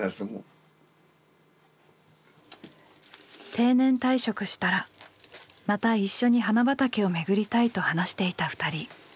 定年退職したらまた一緒に花畑をめぐりたいと話していた２人。